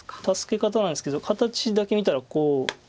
助け方なんですけど形だけ見たらこう。